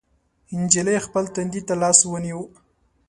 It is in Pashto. نجلۍ خپل تندي ته لاس ونيو.